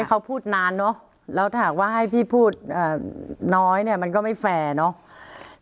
เขาพูดนานเนอะแล้วถามว่าให้พี่พูดน้อยเนี่ยมันก็ไม่แฟร์เนาะ